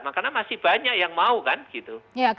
karena masih banyak yang mau kan gitu